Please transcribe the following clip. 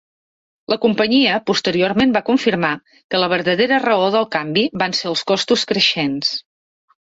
La companyia posteriorment va confirmar que la verdader raó del canvi van ser els costos creixents.